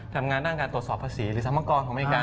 ทำงานด้านการตรวจสอบภาษีหรือสรรพากรของอเมริกา